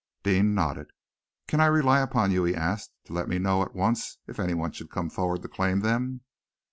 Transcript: Deane nodded. "Can I rely upon you," he asked, "to let me know at once if anyone should come forward to claim them?"